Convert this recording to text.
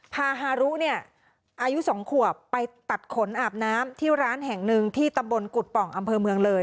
พาฮารุเนี่ยอายุ๒ขวบไปตัดขนอาบน้ำที่ร้านแห่งหนึ่งที่ตำบลกุฎป่องอำเภอเมืองเลย